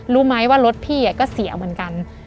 รู้ไหมว่ารถพี่ก็เสียเหมือนกัน